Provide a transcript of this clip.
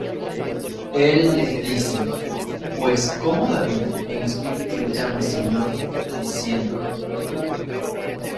El les dice: ¿Pues cómo David en Espíritu le llama Señor, diciendo: